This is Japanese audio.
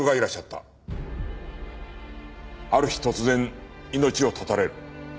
ある日突然命を絶たれる。